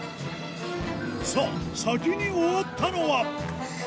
さぁ先に終わったのは？